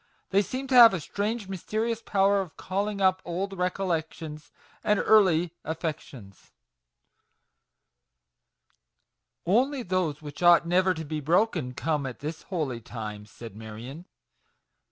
They seem to have a strange mysterious power of calling up old recollections and early affections !"" Only those which ought never to be broken come at this holy time," said Marion ;" the MAGIC WORDS.